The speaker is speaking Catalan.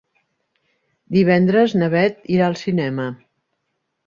Divendres na Bet irà al cinema.